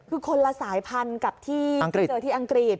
คือคนละสายพันธุ์กับที่เจอที่อังกฤษ